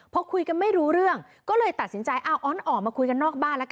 พอคุยกันไม่รู้เรื่องก็เลยตัดสินใจเอาอ๋อนออกมาคุยกันนอกบ้านแล้วกัน